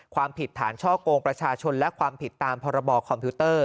ความผิดฐานช่อกงประชาชนและความผิดตามพรบคอมพิวเตอร์